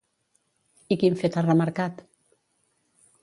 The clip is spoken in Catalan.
I quin fet ha remarcat?